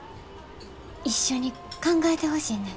一緒に考えてほしいねん。